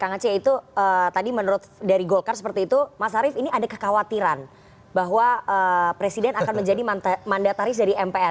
kang aceh itu tadi menurut dari golkar seperti itu mas arief ini ada kekhawatiran bahwa presiden akan menjadi mandataris dari mpr